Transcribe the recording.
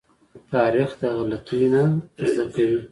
تاریخ د غلطيو نه زده کوي.